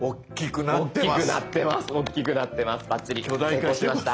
成功しました。